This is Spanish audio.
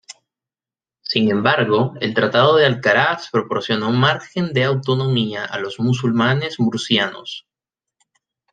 Sin embargo, el tratado de Alcaraz proporcionó margen de autonomía a los musulmanes murcianos.